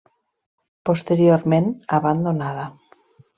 Posteriorment abandonada.